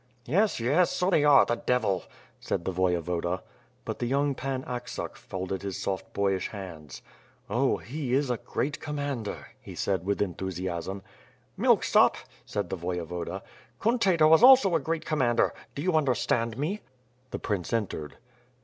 "Yes, yes, so they are, the devil," said the Voyevoda. But the young Pan Aksak folded his soft boyish hands. "0! he is a great commander," he said with enthusiasm. "Milksop!" said the Voyevoda. "Cuntator was also a great commander. Do you understand me?" The prince entered.